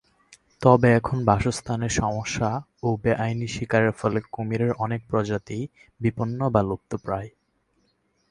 তবে এখন বাসস্থানের সমস্যা ও বেআইনি শিকারের ফলে কুমিরের অনেক প্রজাতিই বিপন্ন বা লুপ্তপ্রায়।